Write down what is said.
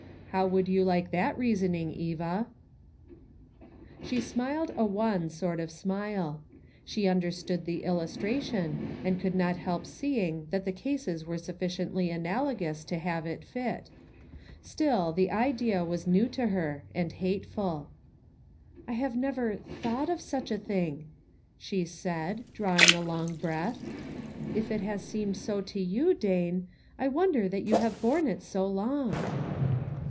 How would you like that reasoning, Eva ?" She smiled a wan sort of smile. She under stood the illustration, and could not help seeing that the cases were sufficiently analogous to have it fit. Still, the idea was new to her and hateful. " I have never thought of such a thing," she said, drawing a long breath. " If it has seemed so to you, Dane, I wonder that you have borne it so long."